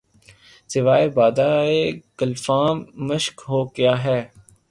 سوائے بادۂ گلفام مشک بو کیا ہے